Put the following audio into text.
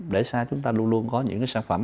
để sao chúng ta luôn luôn có những cái sản phẩm